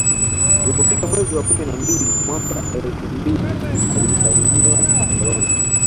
Ilipofika mwezi wa kumi na mbili mwaka elfu mbili alisainiwa Barcelona